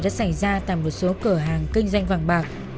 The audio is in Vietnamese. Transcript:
đã xảy ra tại một số cửa hàng kinh doanh vàng bạc